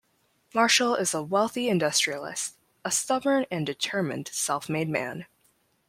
Marshall is a wealthy industrialist, a stubborn and determined self-made man.